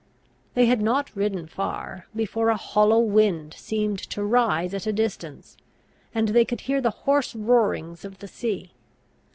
They had not ridden far, before a hollow wind seemed to rise at a distance, and they could hear the hoarse roarings of the sea.